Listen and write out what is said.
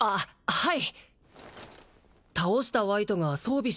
はい！